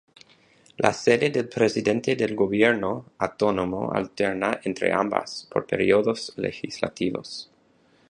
La sede del Presidente del Gobierno autónomo alterna entre ambas por periodos legislativos.